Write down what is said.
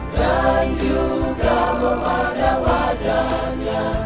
dan juga memandang mandang